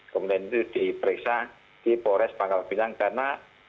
kemudian itu diperiksa di polres panggal binang karena